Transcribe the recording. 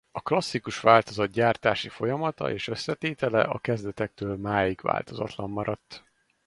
A klasszikus változat gyártási folyamata és összetétele a kezdetektől máig változatlan maradt.